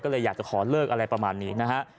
ก็เลยอยากจะขอเลิกอะไรประมาณนี้นะฮะ